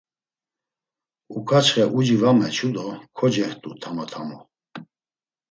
Uǩaçxe uci va meçu do kocext̆u tamo tamo.